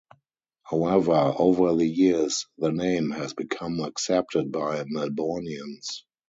However, over the years, the name has become accepted by Melbournians.